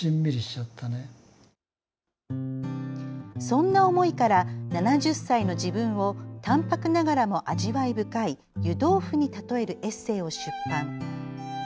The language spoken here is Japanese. そんな思いから７０歳の自分を淡泊ながらも味わい深い湯豆腐に例えるエッセーを出版。